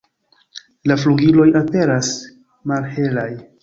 La flugiloj aperas malhelaj.